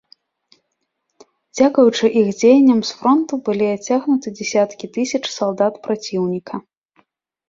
Дзякуючы іх дзеянням, з фронту былі адцягнуты дзесяткі тысяч салдат праціўніка.